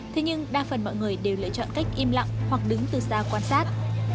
thế nhưng đa phần mọi người đều lựa chọn cách im lặng hoặc đứng từ xa quan sát